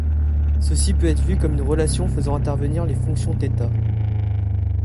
Ceci peut être vu comme une relation faisant intervenir les fonctions thêta.